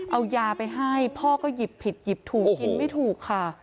เอายาไปให้พ่อก็หยิบผิดหยิบถูกกินไม่ถูกค่ะ